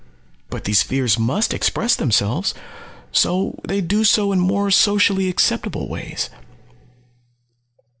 But these fears must express themselves. So they do so in more socially acceptable ways."